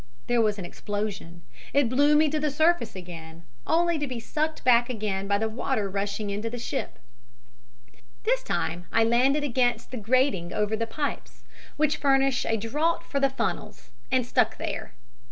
There was an explosion. It blew me to the surface again, only to be sucked back again by the water rushing into the ship "This time I landed against the grating over the pipes, which furnish a draught for the funnels, and stuck there.